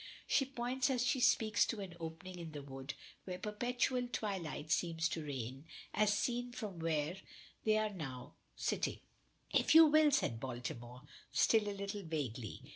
She points as she speaks to an opening in the wood where perpetual twilight seems to reign, as seen from where they now are sitting. "If you will," says Baltimore, still a little vaguely.